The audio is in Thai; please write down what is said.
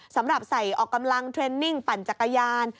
สำหรับใส่ออกกำลังเทรนนิ่งปั่นจักรยาน